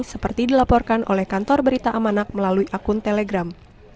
seperti dilaporkan oleh kantor berita amanak melalui akun telegram